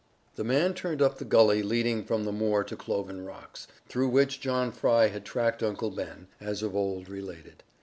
The man turned up the gully leading from the moor to Cloven Rocks, through which John Fry had tracked Uncle Ben, as of old related.